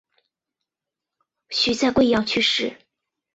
徐的在桂阳去世。